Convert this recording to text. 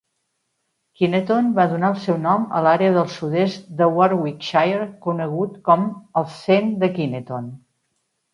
Kineton va donar el seu nom a l'àrea del sud-est de Warwickshire conegut com als Cent de Kineton.